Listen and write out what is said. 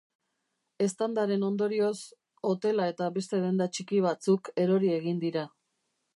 Eztandaren ondorioz, hotela eta beste denda txiki batzuk erori egin dira.